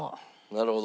なるほど。